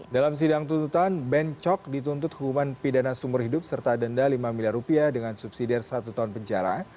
dalam sidang tuntutan ben cok dituntut hukuman pidana sumur hidup serta denda lima miliar rupiah dengan subsidi dari satu tahun penjara